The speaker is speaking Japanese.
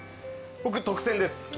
僕特選です。